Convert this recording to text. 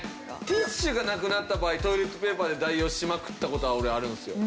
ティッシュがなくなった場合トイレットペーパーで代用しまくった事は俺あるんですよ。